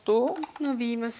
ノビますか。